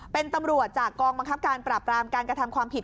เป็นตำรวจจากกองบังคับการปราบรามการกระทำความผิด